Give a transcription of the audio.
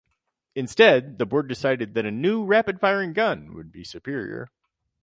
Instead, the board decided that a new rapid-firing gun would be superior.